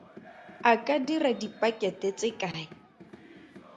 A ka dira dipakete tse kae?